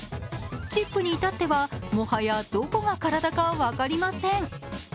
チップにいたっては、もはやどこが体か分かりません。